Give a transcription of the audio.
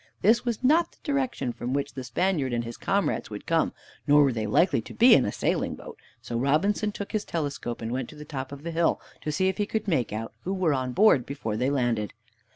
This was not the direction from which the Spaniard and his comrades would come, nor were they likely to be in a sailing boat. So Robinson took his telescope, and went to the top of the hill to see if he could make out who were on board, before they landed.